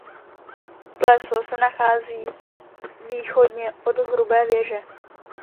Pleso se nachází východně od Hrubé věže.